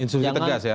instruksi tegas ya